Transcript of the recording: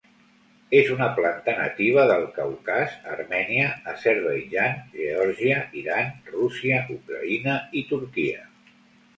És una planta nativa del Caucas, Armènia, Azerbaidjan, Geòrgia, Iran, Rússia, Ucraïna i Turquia.